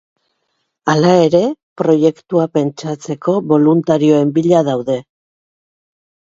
Hala ere, proiektua pentsatzeko boluntarioen bila daude.